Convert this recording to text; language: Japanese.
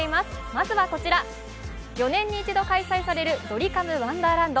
まずはこちら、４年に一度開催されるドリカムワンダーランド。